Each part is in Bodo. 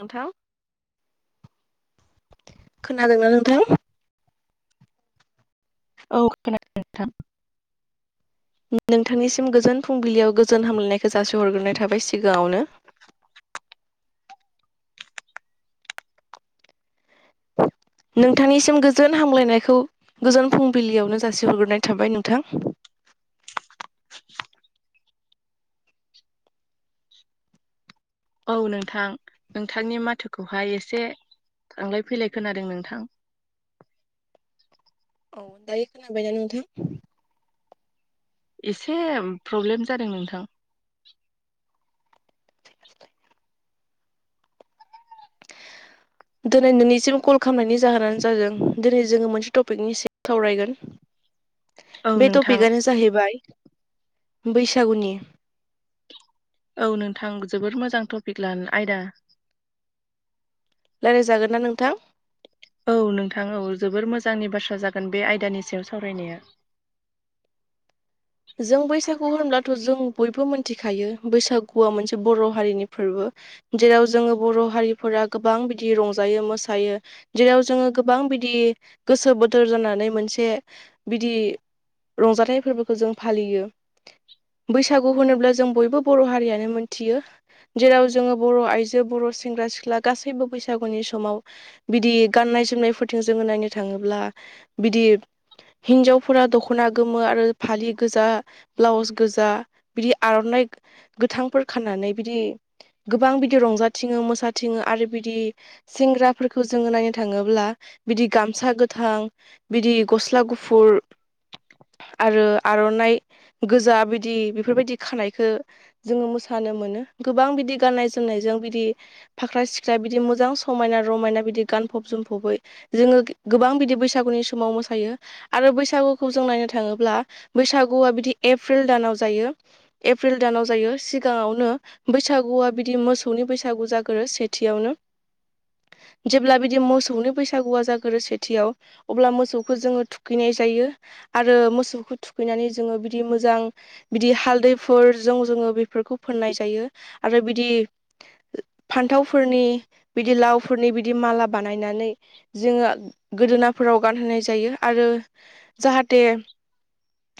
नोंथां खोनादोंना नोंथां औ नोंथांनिसिम गोजोन फुंबिलियाव गोजोन हामलायनायखौ जासि हरग्रोनाय थाबाय सिगाङावनो औ नोंथांनिसिम गोजोन हामलायनायखौ गोजोन फुंबिलियावनो जासिहरग्रोनाय थाबाय नोंथां औ नोंथां नोंथांनि माथोखौहाय एसे थांलाय फैलाय खोनादों नोंथां औ दायो खोनाबाय नोंथां एसे प्रब्लेम जादों नोंथां दिनै नोंनिसिम कल खालामनायनि जाहोनानो जादों दिनै जोङो मोनसे टपिकनिसिम सावरायगोन औ बे नोंथां टपिकआनो जाहैबाय बैसागुनि औ नोंथां जोबद मोजां टपिक लानो आयदा रायज्लायजागोन नना नोंथां औ नोंथां औ जोबोर मोजांनि बाथ्रा जागोन बे आयदानि सायाव सावरायनाया जों बैसागु होनब्लाथ' जों बयबो मिथिखायो बैसागुआ मोनसे बर' हारिनि फोरबो जेराव जोङो बर' हारिफोरा गोबां बिदि रंजायो मोसायो जेराव जोङो गोबां बिदि गोसो बोथोर जानानै मोनसे बिदि रंजाथानाय फोरबोखौ जों फालियो बैसागु होनोब्ला जों बयबो बर' हारियानो मोनथियो जेराव जोङो बर' आइजो बर' सेंग्रा सिख्ला गासैबो बैसागुनि समाव बिदि गाननाय जोमनायफोरथिं जोङो नायनो थाङोब्ला बिदि हिनजावफोरा दख'ना गोमो आरो फालि गोजा ब्लाउस गोजा बिदि आर'नाइ गोथांफोर खानानै बिदि गोबां बिदि रंजाथिङो मोसाथिङो आरो बिदि सेंग्राफोरखौ जोङो नायनो थाङोब्ला बिदि गामसा गोथां बिदि गस्ला गुफुर आरो आर'नाइ गोजा बिदि बेफोरबायदि खानायखौ जोङो मोसानो मोनो गोबां बिदि गाननाय जोमनायजों बिदि फाख्रा सिख्रा बिदि मोजां समायना रमायना बिदि गानफब जोमफबै जोङो गोबां बिदि बैसागुनि समाव मोसायो आरो बैसागुखौ जों नायनो थाङोब्ला ब्ला बैसागुआ बिदि एप्रिल दानाव जायो एप्रिल दानाव जायो सिगाङावनो बैसागुआ बिदि मोसौनि बैसागु जागोरो सेथियावनो जेब्ला बिदि मोसौनि बैसागुआ जागोरो सेथियाव अब्ला मोसौखौ जोङो थुखैनाय जायो आरो मोसौखौ थुखैनानै जोङो बिदि मोजां बिदि हालदैफोरजों जोङो बेफोरखौ फोननाय जायो आरो बिदि फान्थावफोरनि बिदि लावफोरनि बिदि माला बानायनानै जोङो गोदोनाफोराव गानहोनाय जायो आरो जाहाथे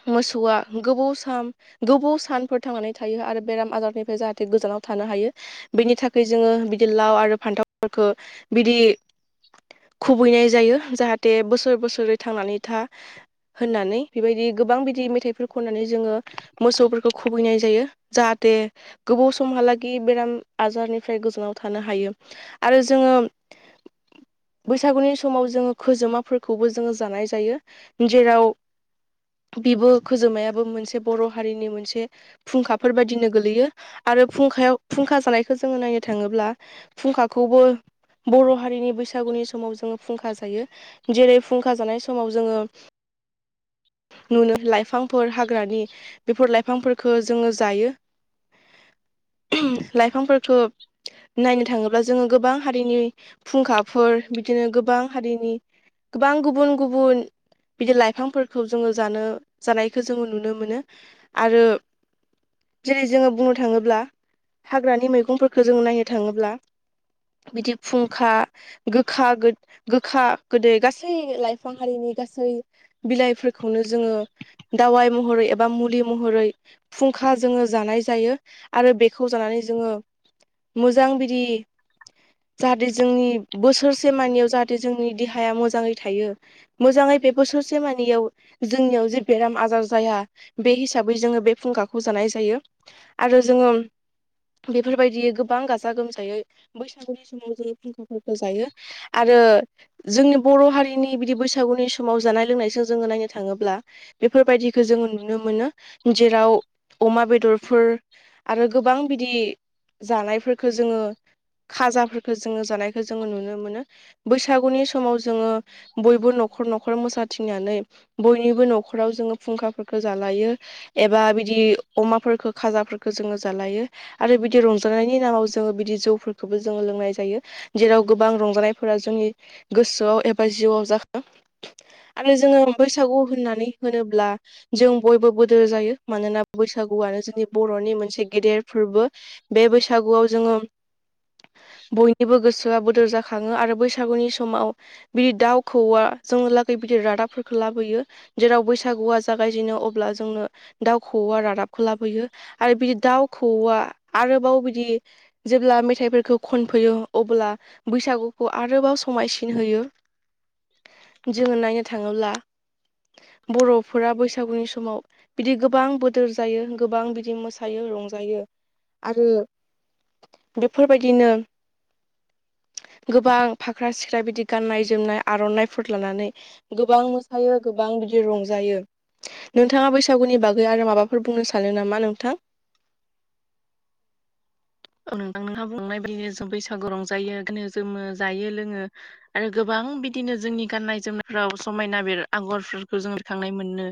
मोसौआ गोबाव सान गोबाव सानफोर थांनानै थायो आरो बेराम आजारनिफ्राय जाहाथे गोजानाव थानो हायो बेनि थाखाय जोङो बिदि लाव आरो फान्थावफोरखौ बिदि खुबैनाय जायो जाहाथे बोसोर बोसोरै थांनानै था होननानै बेबायदि गोबां बिदि मेथाइफोर खननानै जोङो मोसौफोरखौ खुबैनाय जायो जाहाथे गोबाव समहालागि बेराम आजारनिफ्राय गोजानाव थानो हायो आरो जोङो बैसागुनि समाव जोङो खोजोमाफोरखौबो जोङो जानाय जायो जेराव बिबो खोजोमायाबो मोनसे बर' हारिनि मोनसे फुंखाफोरबायायदिनो गोलैयो आरो फुंखायाव फुंखा जानायखौ जोङो नायनो थाङोब्ला फुंखाखौबो बर' हारिनि बैसागुनि समाव जोङो फुंखा जायो जेरै फुंखा जानाय समाव जोङो नुनो लाइफांफोर हाग्रानि बेफोर लाइफांफोरखौ जोङो जायो लाइफांफोरखौ नायनो थाङोब्ला ब्ला जोङो गोबां हारिनि फुंखाफोर बिदिनो गोबां हारिनि गोबां गुबुन गुबुन बिदि लाइफांफोर खौ जोङो जानो जानायखौ जोङो नुनो मोनो आरो जेरै जोङो बुंनो थाङोब्ला हाग्रानि मैगंफोरखौ जों नायनो थाङोब्ला बिदि फुंखा गोखा गो गोखा गोदै गासै लाइफां हारिनि गासै बिलाइ फोरखौनो जोङो दावाइ महरै एबा मुलि महरै फुंखा जोङो जानाय जायो आरो बेखौ जानानै जोङो मोजां बिदि जाहाथे जोंनि बोसोरसे मानियाव जाहाथे जोंनि देहाया मोजाङै थायो मोजाङै बे बोसोरसे मानियाव जोंनियाव जे बेराम आजार जाया बे हिसाबै जोङो बे फुंखाखौ जानाय जायो आरो जोङो बेफोरबायदि गोबां गाजा गोमजायै बैसागुनि समाव जोङो फुंखा- फोरखौ जायो आरो जोंनि बर' हारिनि बिदि बैसागुनि समाव जानाय लोंनायजों जोङो नायनो थाङोब्ला बेफोरबायदिखौ जोङो नुनो मोनो जेराव अमा बेदरफोर आरो गोबां बिदि जानायफोरखौ जोङो खाजाफोरफोरखौ जोङो जानायखौ जोङो नुनो मोनो बैसागुनि समाव जोङो बयबो न'खर न'खर मोसाथिंनानै बयनिबो न'खराव जोङो फुंखाफोरखौ जालायो एबा बिदि अमाफोरफोरखौ खाजाफोरफोरखौ जोङो जालायो आरो बिदि रंजानायनि नामाव जोङो बिदि जौफोरखौबो जोङो लोंनाय जायो जेराव गोबां रंजानायफोरा जोंनि गोसोआव एबा जिउआव जाखो आरो जोङो बैसागु होननानै होनोब्ला जों बयबो बदो जायो मानोना बैसागुआनो जोंनि बर'नि मोनसे गेदेर फोरबो बे बैसागुआव जोङो बयनिबो गोसोआ बोदोर जाखो खाङो आरो बैसागुनि समाव बिदि दाउ खौवा जोंलागै बिदििर रादाबफोरखौ खौ लाबोयो जेराव बैसागुआ जागायजेनो अब्ला जोंनो दाउ खौवौआ रादाबखौ लाबोयो आरो बि दाउ खौवौआ आरोबाव बिदि जेब्ला मेथाइफोरखौ खनफैयो अब्ला बैसागुखौ आरोबाव समायसि िन होयो जोङो नायनो थाङोब्ला बर'फोरा बैसागुनि समाव बिदि गोबां बोदोर जायो गोबां बिदिं मोसायो रंजायो आरो बेफोरबायदिनो गोबां फाख्रा सिख्रा बिदि गाननाय जोमनाय आर'नाइफोर लानानै गोबां मोसायो गोबां बिदि रंजायो नोंथाङा बैसागुनि बागै आरो माबा फोर बुंनो सानो नामा नोंथां? औ नोंथां नोंहा बुंंनाय बेनोों बैसागु रंजायो गोनो जोमो जायो लोङो आरो गोबां बिदिनो जोंनि गाननाय जोमनायफ्राव समायना बेर आगरफोरखौ जों ररखांनाय मोनो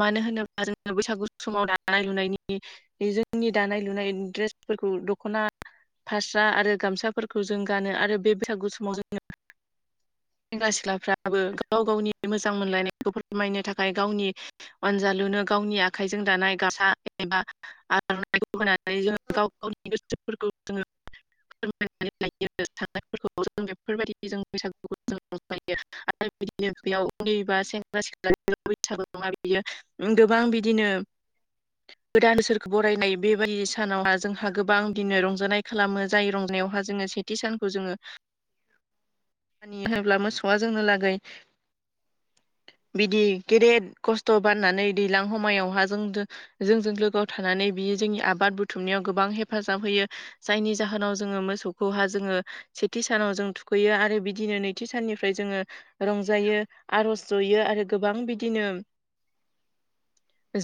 मानो होनोब्ला जोङो बैसागु समाव दानाय लुनायनि जोंनि दानाय लुनाय द्रेसफोरखौ दख'ना फास्रा आरो गामसाफोरखौ जों गानो आरो बे बैसागु समाव जोङो सेंग्रा सिख्लाफ्राबो गाव गावनि मोजां मोनलायनायखौ फोरमायनो थाखाय गावनि अनजालुनो गावनि आखाइजों दानाय गासा एबा आर'नाइखौ होनानै जों गाव गावनि गोसोफोरखौ जोङो फोरायनानै लायो [unintelligible] साननायफोरखौ जों बेफोरबायदि जों बैसागुखौ जों रंजायो आरो बिदिनो बेयाव उन्दैबा सेंग्रा सिख्ला [unintelligible] [unintelligible] बियो उम गोबां बिदिनो [unintelligible] गोदान सोरखौ बरायनाय बेबायदि सानावहा जोंहा गोबां बिदिनो रंजानाय खालामो जाय रंजानायावहा जोङो से थि सानखौ जोङो [unintelligible] मानि होनोब्ला मोसौआ जोंनो लागै बिदि गेदेद खस्थ' बारनानै दैलां हमायावहा जों दो जोंजों लोगोआव थानानै बियो जोंनि आबाद बुथुमनायाव गोबां हेफाजाब होयो। जायनि जाहोनाव जोङो मोसौखौहा जोङो सेथि सानाव जों थुखैयो आरो बिदिनो नैथि साननिफ्राय जोङो रंजायो आर'ज जयो आरो गोबां बिदिनो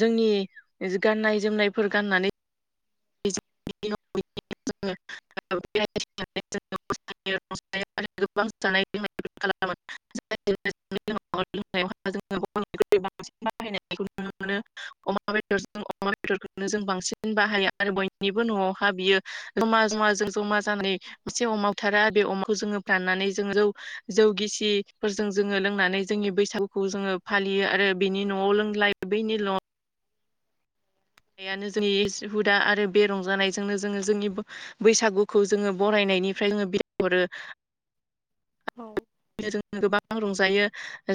जोंनि [unintelligible] गाननाय- जोमनायफोर गाननानै [unintelligible] [unintelligible] [unintelligible] लोंनायआवहा जोङो [unintelligible] आरो बयनिबो न'आवहा बियो जमा जमाजों जमा जा [unintelligible] मोनसे अमाव थारा बे अमाखौ जोङो फाननानै जोङो जौ जौ गिसिफोरजों जोङो लोंनानै जोंनि बैसागुखौ जोङो फालियो आरो बेनि न'आव लोंलाय बेनिल' [unintelligible] यानो जोंनि [unintelligible] हुदा आरो बे रंजानायजोंनो जोङो जोंनि बो बैसागुखौ जोङो बरायनायनिफ्राय जोङो बिहरो औ [unintelligible] जों गोबां रंजायो।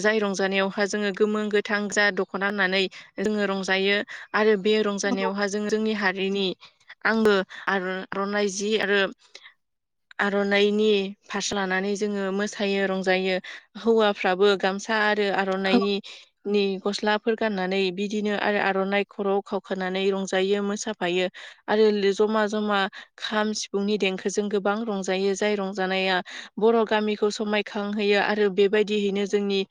जाय रंजानायावहा जोङो गोमो गोथां जा दख'ना होननानै जोङो रंजायो आरो बे रंजानायावहा जों जोंनि हारिनि आंगो आरर'नाइ जि आरो आर'नाइनि फास्रा लानानै जोङो मोस फायो रंजायो हौवाफ्राबो गामसा आरो औ आर'नाइनि नि गस्ला फोर गाननानै बिदिनो आरो आर'नाइ खर'आव खावखानानै रंजायो मोसाफायो। आरो लि जमा जमा खाम सिफुंनि देंखोजों गोबां रंजायो जाय रंजानाया बर' गामि खौ समायखांहोयो आरो बेबायदियैनो जोंनि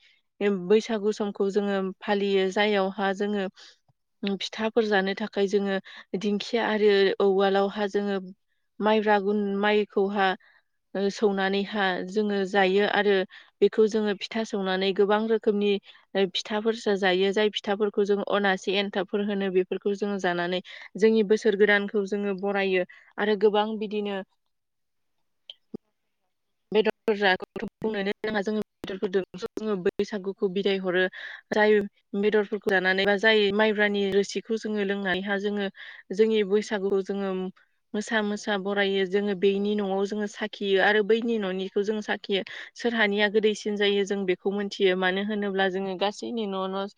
[unintelligible] बैसागु समखौ जोङो फालियो जाययावहा जोङो उम फिथाफोर जानो थाखाय जोङो दिंखिया आरो उवालावहा जोङो माइ ब्रागुन माइखौहा ओ सौनानैहा जोङो जायो आरो बेखौ जोङो फिथा सौनानै गोबां रोखोमनि फिथाफोरसो जायो जाय फिथाफोरखौ जों अनासे एनथाबफोर होनो बेफोरखौ जोङो जानानै जोंनि बोसोर गोदानखौ जोङो बरायो आरो गोबां बिदिनो बेदरफोर [unintelligible] जोङो बैसागुखौ बिदाय हरो। राय बेदरफोरखौ जानानै बा जाय माइब्रानि रोसिखौ जोङो लोंनानैहा जोङो जोंनि बैसागुखौ जोङोम मोसा मोसा बरायो जोङो बेनि न'आव जोङो साखियो आरो बैनि न'निखौ जोङो साखियो सोरहानिया गोदैसिन जायो जों बेखौ मोनथियो मानो होनोब्ला जोङो गासैनि न' न'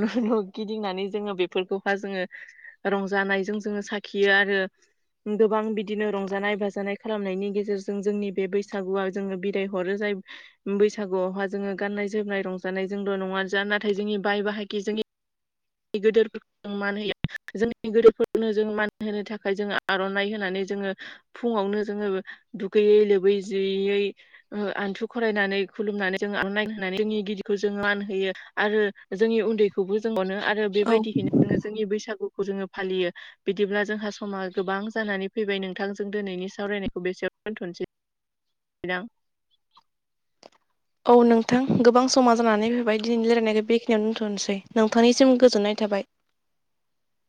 न' न' गिदिंनानै जोङो बेफोरखौ हा जोङो रंजानायजों जोङो साखियो आरो गोबां बिदिनो रंजानाय बाजानाय खालामनायनि गेजेरजों जोंनि बे बैसागुआ जोङो बिदाय हरो जाय बैसागुआवहा जोङो गाननाय जोमनाय रंजानाय जोंल' नङा जा नाथाय जोंनि बाय बाहागि जोंनि गिदिरफोरखौ जों मान होयो। जोंनि गोदोफोरनो जों मान होनो थाखाय जोङो आर'नाइ होनानै जोङो फुङावनो जोङो दुगैयै लोबै जियैयै आन्थु खरायनानै खुलुमनानै जोंङो आर'नाय होनानै जोंनि गिदिरखौ जों मान होयो आरो जोंनि उन्दै खौबो जों अनो आरो औ बेबायदिहैनो जोङो जोंनि बैसागुखौ जोङो फालियो। बिदिब्ला जोंहा समा गोबां जानानै फैबाय नोंथांजों दिनैनि सावरायनायखौ बेसेयावनो दोन्थ'नोसै दां। औ नोंथां गोबां समा जानानै फैबाय दिनैनि रायलायनायखौ बेखिनियावनो दोनथ'नोसै नोंथांनिसिम गोजोननाय थाबाय।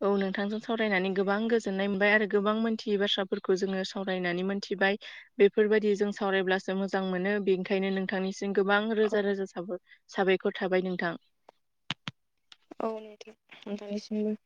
औ नोंथांजों सावरायनानै गोबां गोजोननाय मोनबाय आरो गोबां मोनथियै बाथ्राफोरखौ जोङो सावरायनानै मोनथिबाय बेफोरबायदि जों सावरायब्लासो मोजां मोनो बेनिखायनो नोंथांनिसिम गोबां रोजा रोजा साबाय ख'र थाबाय नोंथां। औ नोंथां नोंथांनिसिमबो।